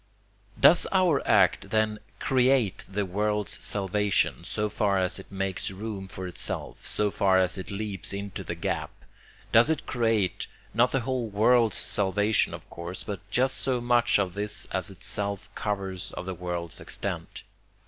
Does our act then CREATE the world's salvation so far as it makes room for itself, so far as it leaps into the gap? Does it create, not the whole world's salvation of course, but just so much of this as itself covers of the world's extent?